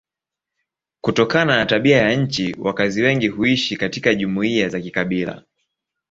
Kutokana na tabia ya nchi wakazi wengi huishi katika jumuiya za kikabila.